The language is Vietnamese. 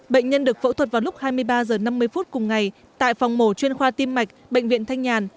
bệnh nhân được phẫu thuật vào lúc hai mươi ba h năm mươi phút cùng ngày tại phòng mổ chuyên khoa tim mạch bệnh viện thanh nhàn